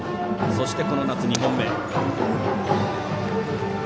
そして、この夏２本目。